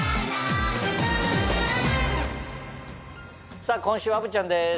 さぁ今週は虻ちゃんです。